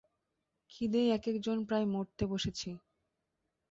খিদেয় একেক জন প্রায় মরতে বসেছি।